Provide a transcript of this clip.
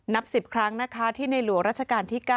นับสิบครั้งที่ในหลวงรัชกรรมที่๙